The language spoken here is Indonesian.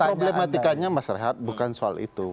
problematikanya mas rehat bukan soal itu